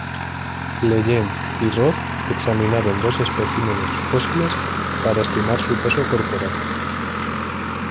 Legendre y Roth examinaron dos especímenes fósiles para estimar su peso corporal.